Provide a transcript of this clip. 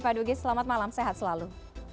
pak dugi selamat malam sehat selalu